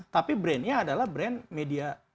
tapi brandnya adalah brand media